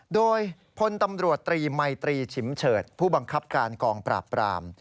โดยพลตำรวจตรีมัยตรีฉิมเฉิดผู้บังคับการกองปราบปราม